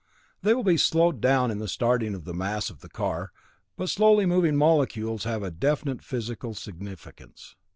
They will be slowed down in starting the mass of the car. But slowly moving molecules have a definite physical significance.